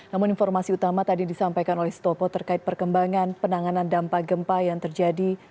namun informasi utama tadi disampaikan oleh stopo terkait perkembangan penanganan dampak gempa yang terjadi